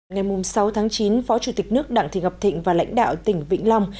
ngày sáu tháng chín phó chủ tịch nước đảng thị ngọc thịnh và lãnh đạo tỉnh vĩnh long